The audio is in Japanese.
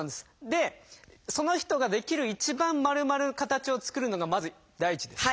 でその人ができる一番丸まる形を作るのがまず第一です。